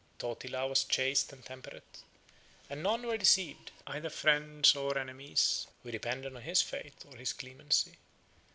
Totila 10 was chaste and temperate; and none were deceived, either friends or enemies, who depended on his faith or his clemency.